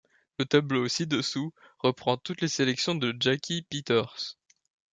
Le tableau ci-dessous reprend toutes les sélections de Jacky Peeters.